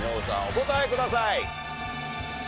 お答えください。